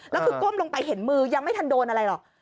แล้วคือก้มลงไปเห็นมือยังไม่ทันโดนอะไรหรอก